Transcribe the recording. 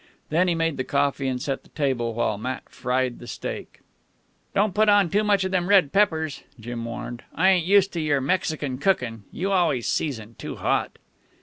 Then he made the coffee and set the table, while Matt fried the steak. "Don't put on too much of them red peppers," Jim warned. "I ain't used to your Mexican cookin'. You always season too hot."